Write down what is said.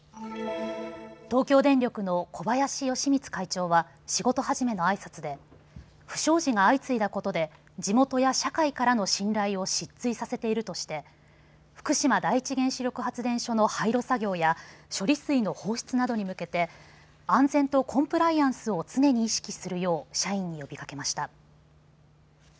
東京電力の小林喜光会長は仕事始めのあいさつで不祥事が相次いだことで地元や社会からの信頼を失墜させているとして福島第一原子力発電所の廃炉作業や処理水の放出などに向けて安全とコンプライアンスを常に意識するよう社員に呼びかけました。